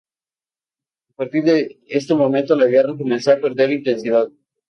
A partir de este momento la guerra comenzó a perder intensidad.